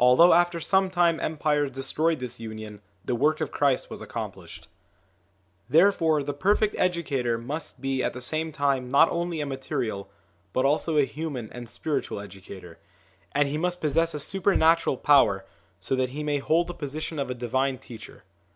Although after some time empires destroyed this union, the work of Christ was accom plished. Therefore the perfect educator must be at the same time not only a material, but also a human and spiritual educator; and he must possess a supernatural power, so that he may hold the position of a divine teacher.